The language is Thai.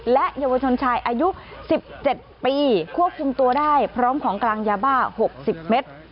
และเยาวชนชายอายุ๑๗ปีควบคุมตัวได้พร้อมของกลางยาบ้า๖๐เมตร